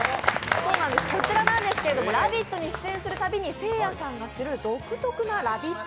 こちら、「ラヴィット！」が出演するたびにせいやさんがする独特なラヴィッツ！